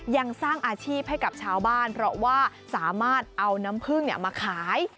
ยังสร้างอาชีพให้กับชาวบ้านเพราะว่าสามารถเอาน้ำผึ้งมาขาย